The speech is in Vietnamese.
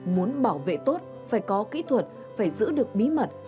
muốn bảo vệ tốt phải có kỹ thuật phải giữ được bí mật